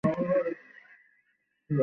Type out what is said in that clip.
তিনি এ পরামর্শে কর্ণপাত করেননি।